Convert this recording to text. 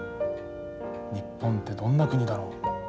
日本ってどんな国だろう。